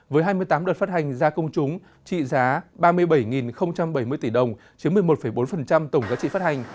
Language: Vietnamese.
với hai mươi tám đợt phát hành ra công chúng trị giá ba mươi bảy bảy mươi tỷ đồng chiếm một mươi một bốn tổng giá trị phát hành